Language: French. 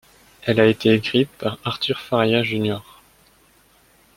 Elle a été écrite par Arthur Faria Jr.